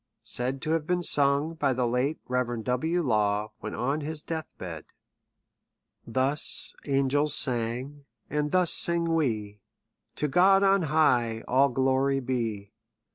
Said to have been sung hy the late Rev. W. LaWy when on his Death Bed. Thus angels sang;, and thus sing we. To God on high all glory be